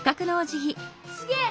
すげえ